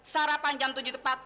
sarapan jam tujuh tepat